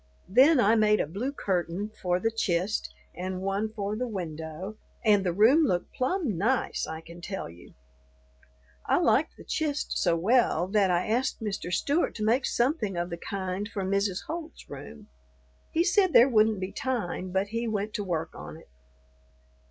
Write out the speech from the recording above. Then I made a blue curtain for the "chist" and one for the window, and the room looked plumb nice, I can tell you. I liked the "chist" so well that I asked Mr. Stewart to make something of the kind for Mrs. Holt's room. He said there wouldn't be time, but he went to work on it.